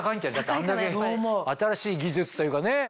あんだけ新しい技術というかね。